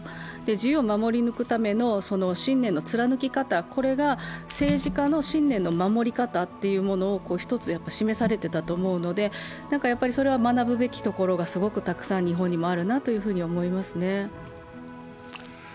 自由を守り抜くための信念の貫き方が政治家の信念の守り方というものを一つ示されていたと思うので、それは学ぶべきところがたくさん日本にもあるなと思いますね。